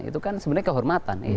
itu kan sebenarnya kehormatan